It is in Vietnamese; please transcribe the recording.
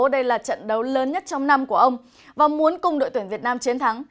đây là trận đấu lớn nhất trong năm của ông và muốn cùng đội tuyển việt nam chiến thắng